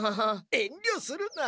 えんりょするな！